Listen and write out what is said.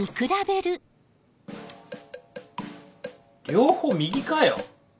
両方右かよ！